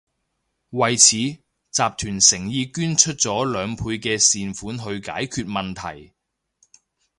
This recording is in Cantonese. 為此，集團誠意捐出咗兩倍嘅善款去解決問題